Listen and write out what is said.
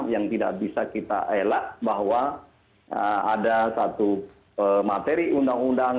yang tidak bisa kita elak bahwa ada satu materi undang undang